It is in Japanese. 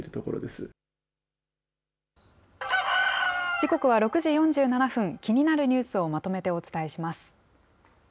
時刻は６時４７分、気になるニュースをまとめてお伝えします。